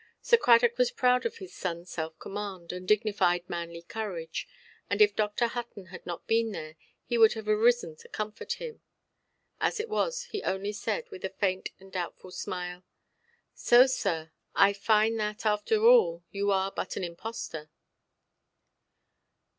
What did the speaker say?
Sir Cradock was proud of his sonʼs self–command and dignified manly carriage, and if Dr. Hutton had not been there, he would have arisen to comfort him. As it was, he only said, with a faint and doubtful smile— "So, sir, I find that, after all, you are but an impostor".